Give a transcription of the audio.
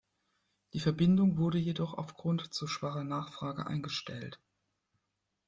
Die Verbindung wurde jedoch aufgrund zu schwacher Nachfrage eingestellt.